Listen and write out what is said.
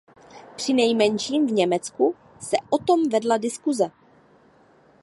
Přinejmenším v Německu se o tom vedla diskuse.